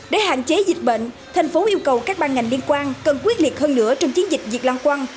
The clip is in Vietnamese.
để hạn chế dịch bệnh thành phố yêu cầu các ban ngành liên quan cần quyết liệt hơn nữa trong chiến dịch diệt lăng quăng